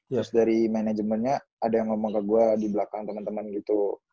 terus dari manajemennya ada yang ngomong ke gue di belakang teman teman gitu